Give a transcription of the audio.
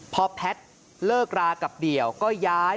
พอแพทย์เลิกรากับเดี่ยวก็ย้าย